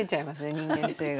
人間性が。